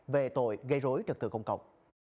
về tội gây rối trật tự công cộng